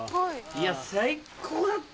いや最高だったわ。